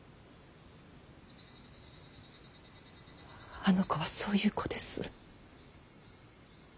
あの子はそういう子です。